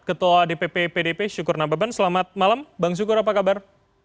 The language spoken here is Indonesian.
ketua dpp pdp syukur nababan selamat malam bang syukur apa kabar